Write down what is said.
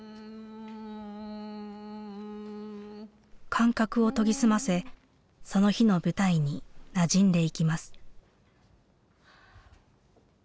感覚を研ぎ澄ませその日の舞台になじんでいきます。